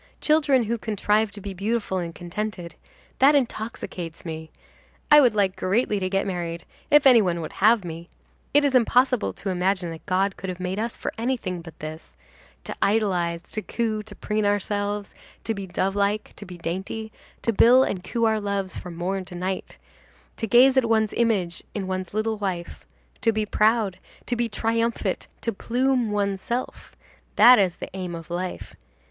Children who contrive to be beautiful and contented,—that intoxicates me. I would like greatly to get married, if any one would have me. It is impossible to imagine that God could have made us for anything but this: to idolize, to coo, to preen ourselves, to be dove like, to be dainty, to bill and coo our loves from morn to night, to gaze at one's image in one's little wife, to be proud, to be triumphant, to plume oneself; that is the aim of life.